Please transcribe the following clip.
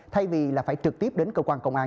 thay vì là phải trực tiếp đến cơ quan công an